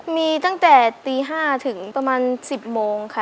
มีตั้งแต่ตี๕ถึงประมาณ๑๐โมงค่ะ